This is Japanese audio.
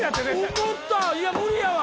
おもた、いや、無理やわ。